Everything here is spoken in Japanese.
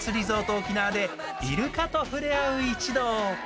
オキナワでイルカと触れ合う一同。